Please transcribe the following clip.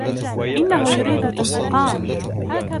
إنهُ يريد الإنتقام.